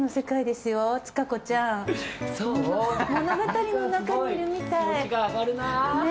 物語の中にいるみたい。